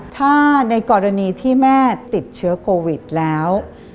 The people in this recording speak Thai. ถ้าในกรณีที่แม่ติดเชื้อโควิดแล้ว